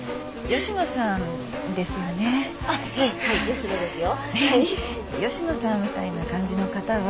吉野さんみたいな感じの方は。